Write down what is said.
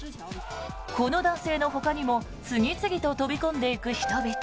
この男性のほかにも次々と飛び込んでいく人々。